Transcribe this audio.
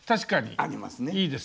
ありますね。